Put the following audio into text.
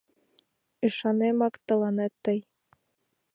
Ӱшанемак, тыланет тый